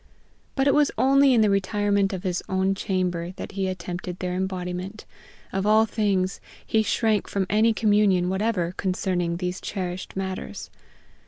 But it was only in the retirement of his own chamber that he attempted their embodiment; of all things, he shrank from any communion whatever concerning these cherished matters.